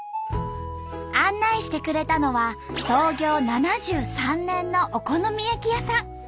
案内してくれたのは創業７３年のお好み焼き屋さん。